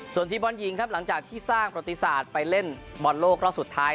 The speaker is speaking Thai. ส่วนทีมบอลหญิงครับหลังจากที่สร้างประติศาสตร์ไปเล่นบอลโลกรอบสุดท้าย